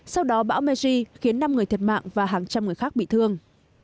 sau đó bão meji khiến năm người thiệt mạng và hàng trăm người khác bị thương